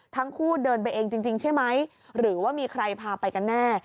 ทั้งคู่เดินไปเองจริงใช่ไหมหรือว่ามีใครพาไปกันแน่